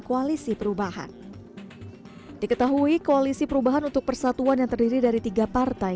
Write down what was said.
koalisi perubahan diketahui koalisi perubahan untuk persatuan yang terdiri dari tiga partai